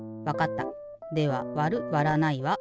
ではわるわらないは「わる」と。